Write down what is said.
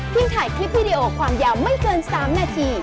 ถ่ายคลิปวิดีโอความยาวไม่เกิน๓นาที